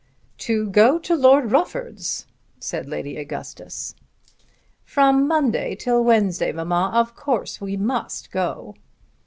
"To go to Lord Rufford's!" said Lady Augustus. "From Monday till Wednesday, mamma. Of course we must go."